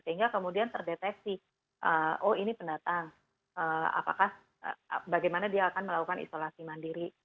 sehingga kemudian terdeteksi oh ini pendatang apakah bagaimana dia akan melakukan isolasi mandiri